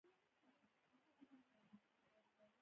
د سیاسي ګوندونو قانون اعلان شو، خو پلی نه شو.